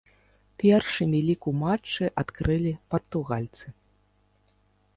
Першымі лік у матчы адкрылі партугальцы.